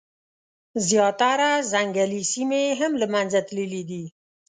زیاتره ځنګلي سیمي هم له منځه تللي دي.